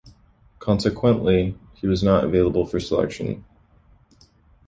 Consequently, he was not available for selection.